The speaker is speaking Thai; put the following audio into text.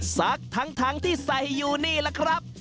สักทั้งที่ใส่อยู่นี่แหละครับ